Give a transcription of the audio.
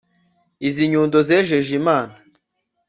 izi nyundo zejeje imana